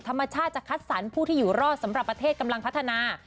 ธรรมชาติจะคัดสรรผู้ที่อยู่รอดสำหรับประเทศกำลังพัฒนา